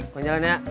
kau jalan ya